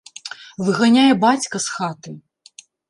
Выганяе бацька з хаты.